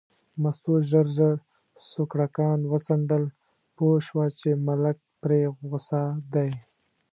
مستو ژر ژر سوکړکان وڅنډل، پوه شوه چې ملک پرې غوسه دی.